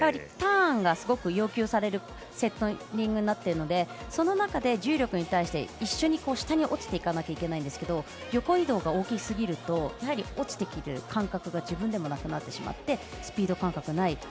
ターンがすごく要求されるセッティングになっているのでその中で重力に対して一緒に下に落ちていかなきゃいけないんですけど横移動が大きすぎると落ちてくる感覚が自分でもなくスピード感覚がない。